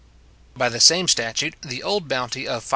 By the same statute, the old bounty of 5s.